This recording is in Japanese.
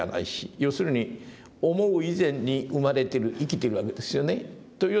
要するに思う以前に生まれてる生きてるわけですよねというような事を考えると。